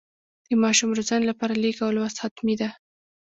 د ماشوم روزنې لپاره لیک او لوست حتمي ده.